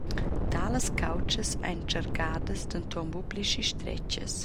Talas caultschas ein tschercadas, denton buca pli schi stretgas.